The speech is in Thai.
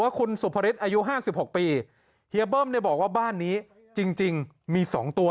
ว่าคุณสุภิษฐ์อายุ๕๖ปีเฮียเบิ้มได้บอกว่าบ้านนี้จริงมี๒ตัว